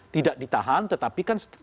tidak ditahan tetapi kan